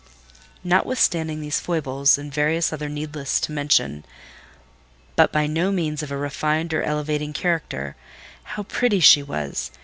Notwithstanding these foibles, and various others needless to mention—but by no means of a refined or elevating character—how pretty she was!